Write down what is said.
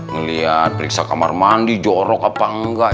ngelihat periksa kamar mandi jorok apa enggak